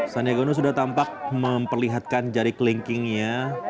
sandiagono sudah tampak memperlihatkan jari kelingkingnya